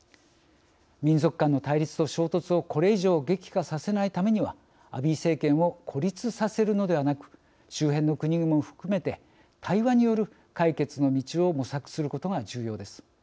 民族間の対立と衝突をこれ以上激化させないためにはアビー政権を孤立させるのではなく周辺の国々も含めて対話による解決の道を模索することが重要です。